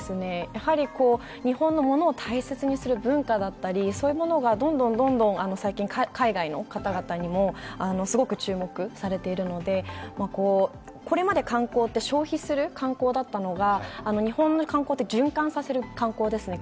やはり日本の物を大切にする文化だったり、そういうものがどんどん海外の方々にもすごく注目されているのでこれまで観光って消費する観光だったのが日本の観光って循環させる観光ですね。